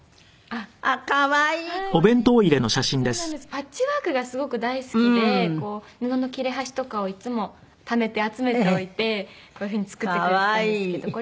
パッチワークがすごく大好きで布の切れ端とかをいつもためて集めておいてこういう風に作ってくれてたんですけど。